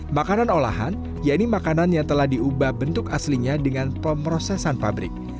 makanan olahan yaitu makanan yang telah diubah bentuk aslinya dengan pemrosesan pabrik